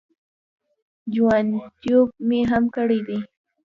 جوالیتوب مې هم کړی دی.